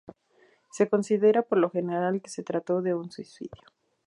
Se considera, por lo general, que se trató de un suicidio.